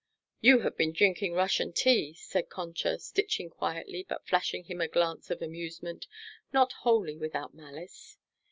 "You have been drinking Russian tea," said Concha, stitching quietly but flashing him a glance of amusement, not wholly without malice.